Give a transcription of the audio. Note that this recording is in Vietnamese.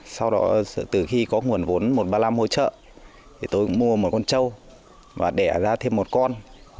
sau đó từ khi có nguồn vốn một trăm ba mươi năm hỗ trợ thì tôi mua một con trâu và đẻ ra thêm một con